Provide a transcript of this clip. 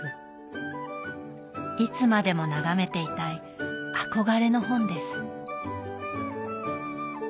いつまでも眺めていたい憧れの本です。